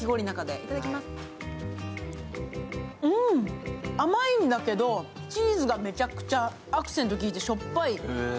うん、甘いんだけどチーズがめちゃくちゃアクセントきいてしょっぱい。